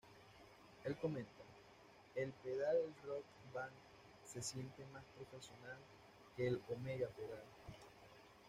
El comenta, "el pedal Rock Band se siente más profesional que el Omega Pedal.